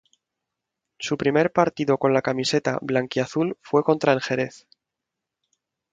Su primer partido con la camiseta "blanquiazul" fue contra el Xerez.